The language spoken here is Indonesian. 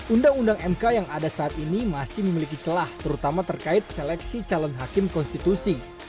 undang undang mk yang ada saat ini masih memiliki celah terutama terkait seleksi calon hakim konstitusi